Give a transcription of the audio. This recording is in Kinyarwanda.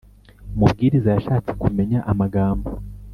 Umubwiriza yashatse kumenya amagambo